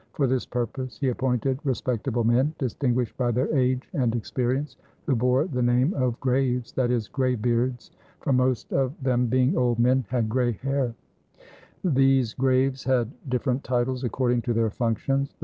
For this purpose he appointed respectable men, distinguished by their age and experience, who bore the name of "Graves," i.e., "Gray beards," for most of 164 CHARLEMAGNE, EMPEROR OF THE WEST them, being old men, had gray hair. These Graves had different titles, according to their functions.